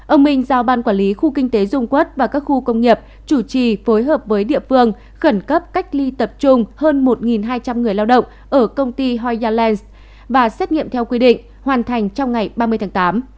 ông minh giao ban quản lý khu kinh tế dung quốc và các khu công nghiệp chủ trì phối hợp với địa phương khẩn cấp cách ly tập trung hơn một hai trăm linh người lao động ở công ty hoi yaleng và xét nghiệm theo quy định hoàn thành trong ngày ba mươi tháng tám